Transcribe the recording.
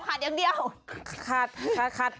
ขาดขาดอันไงครับ